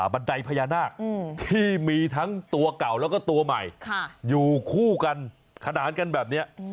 บันไดพญานาคที่มีทั้งตัวเก่าแล้วก็ตัวใหม่อยู่คู่กันขนานกันแบบนี้